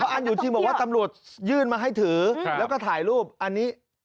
อันอยู่จริงบอกว่าตำรวจยื่นมาให้ถือแล้วก็ถ่ายรูปอันนี้